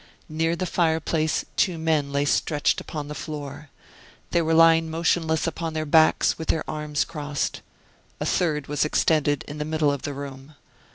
Near the fireplace two men lay stretched upon the floor. They were lying motionless upon their backs, with their arms crossed. A third was extended in the middle of the room.